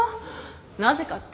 なぜかって？